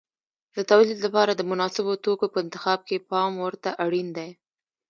د تولید لپاره د مناسبو توکو په انتخاب کې پام ورته اړین دی.